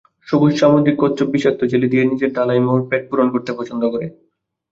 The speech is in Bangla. সবুজ সামুদ্রিক কচ্ছপ বিষাক্ত জেলি দিয়ে নিজের ঢালাই-লোহার পেট পূরণ করতে পছন্দ করে।